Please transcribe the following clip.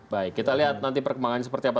baik kita lihat nanti perkembangannya seperti apa